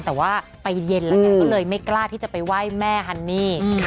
แต่ว่าไปเย็นแล้วไงก็เลยไม่กล้าที่จะไปไหว้แม่ฮันนี่